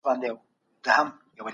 موږ باید نوښتګر واوسو.